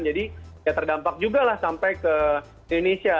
jadi ya terdampak juga lah sampai ke indonesia